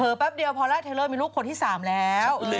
เผลอแป๊บเดียวพอลาเทรอร์มีลูกคนที่สามแล้ว